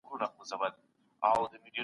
ځان نه راښيي زنګ راوکي